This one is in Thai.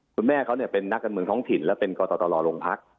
คุณแม่เขาเนี่ยเป็นนักการบันทึงแล้วเป็นกรตรรองค์ภักดิ์